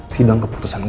sidang keputusan gue